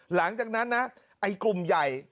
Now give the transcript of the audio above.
หลังจากนั้นนะไอ้กลุ่มใหญ่